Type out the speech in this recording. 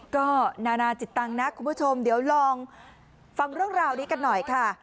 ก็นานาจิตตังค์นะคุณผู้ชมเดี๋ยวลองฟังเรื่องราวนี้กันหน่อยค่ะ